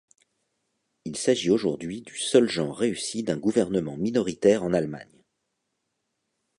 Il s'agit aujourd'hui du seul genre réussi d'un gouvernement minoritaire en Allemagne.